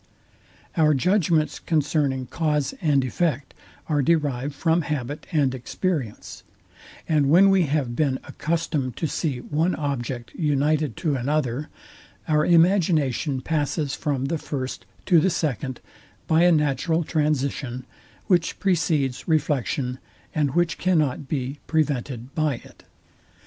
Our judgments concerning cause and effect are derived from habit and experience; and when we have been accustomed to see one object united to another, our imagination passes from the first to the second, by a natural transition, which precedes reflection, and which cannot be prevented by it.